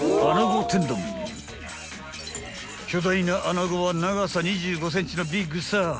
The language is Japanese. ［巨大な穴子は長さ２５ｃｍのビッグサイズ］